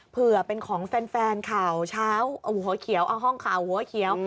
เผื่อเป็นของแฟนข่าวเช้าห้องขาวหัวเขียว